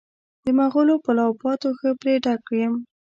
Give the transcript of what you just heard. د مغلو پلاو پاتو ښه پرې ډک یم.